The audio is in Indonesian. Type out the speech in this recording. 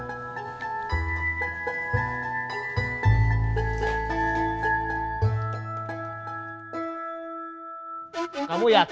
kamu yakin cowo itu buat jadi pacar kamu